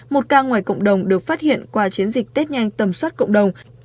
một ca ngoài cộng đồng được phát hiện qua chiến dịch tết nhanh tầm soát cộng đồng